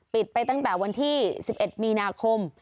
ไปตั้งแต่วันที่๑๑มีนาคม